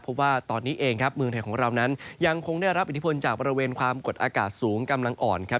เพราะว่าตอนนี้เองครับเมืองไทยของเรานั้นยังคงได้รับอิทธิพลจากบริเวณความกดอากาศสูงกำลังอ่อนครับ